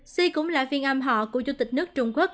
c cũng là phiên âm họ của chủ tịch nước trung quốc